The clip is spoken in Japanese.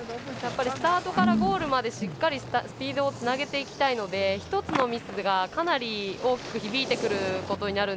スタートからゴールまでしっかりスピードをつなげていきたいので１つのミスがかなり大きく響きます。